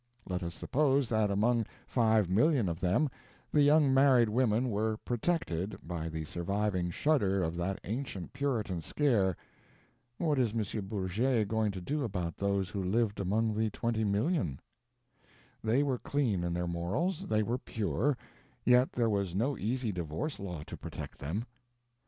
Let us suppose that among 5,000,000 of them the young married women were "protected" by the surviving shudder of that ancient Puritan scare what is M. Bourget going to do about those who lived among the 20,000,000? They were clean in their morals, they were pure, yet there was no easy divorce law to protect them.